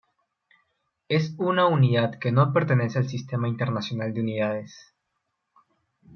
Es una unidad que no pertenece al Sistema Internacional de Unidades.